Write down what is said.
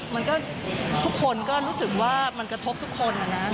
มันก็ทุกคนก็รู้สึกว่ามันกระทบทุกคนนะ